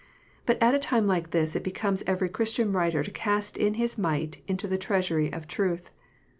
But at a time like this it becomes every Christian writer to cast in his mite into the treasury of truth.